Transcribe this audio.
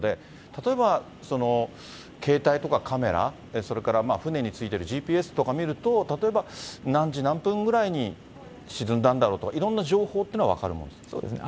例えば、携帯とかカメラ、それから船についているＧＰＳとか見ると、例えば、何時何分ぐらいに沈んだんだろうとか、いろんな情報っていうのが分かるもんなんですよね。